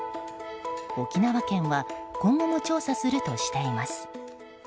沖縄県では今後も調査するとしています。